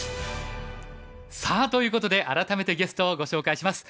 さあということで改めてゲストをご紹介します。